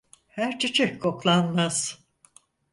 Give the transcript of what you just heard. Her çiçek koklanmaz.